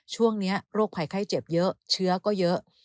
ช่วงนี้โรคภัยไข้เจ็บเยอะเชื้อก็เยอะ